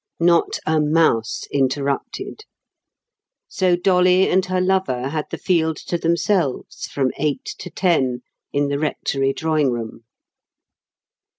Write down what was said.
Not a mouse interrupted. So Dolly and her lover had the field to themselves from eight to ten in the rectory drawing room.